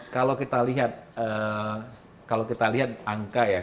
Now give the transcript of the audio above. kalau kita lihat kalau kita lihat angka ya